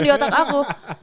di otak aku